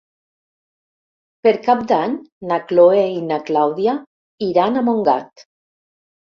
Per Cap d'Any na Chloé i na Clàudia iran a Montgat.